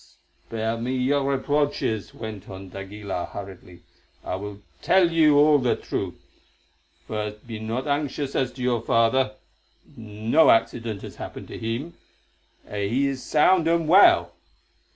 "Spare me your reproaches," went on d'Aguilar hurriedly. "I will tell you all the truth. First, be not anxious as to your father; no accident has happened to him; he is sound and well.